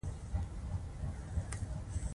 خلک د بانکي اپلیکیشن له لارې د پيسو تاریخچه ګوري.